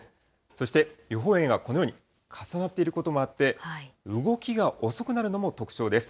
そして予報円がこのように重なっていることもあって、動きが遅くなるのも特徴です。